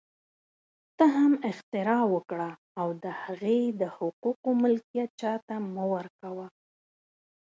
ته هم اختراع وکړه او د هغې د حقوقو ملکیت چا ته مه ورکوه